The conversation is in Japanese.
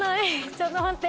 ちょっと待って。